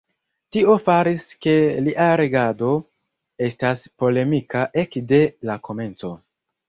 Tio faris ke lia regado estas polemika ekde la komenco.